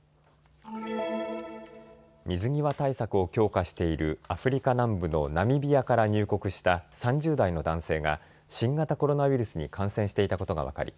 水際対策を強化しているアフリカ南部のナミビアから入国した３０代の男性が新型コロナウイルスに感染していたことが分かり